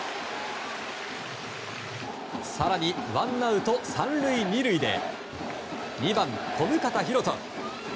更にワンアウト３塁２塁で２番、小深田大翔。